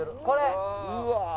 これ！